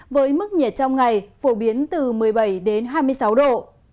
với mức nhiệt trong ngày phổ biến từ một mươi bảy đến hai mươi sáu độ